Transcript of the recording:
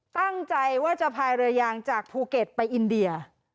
ตั้งใจว่าจะพายเรือยางจากภูเก็ตไปอินเดีย